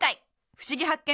「ふしぎ発見！」